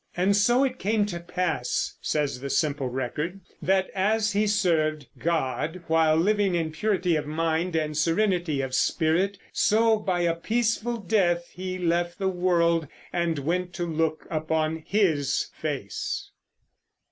] And so it came to pass [says the simple record] that as he served God while living in purity of mind and serenity of spirit, so by a peaceful death he left the world and went to look upon His face.